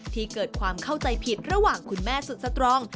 ที่เกิดความเข้าใจผิดระหว่างคุณแม่สุดสตรอง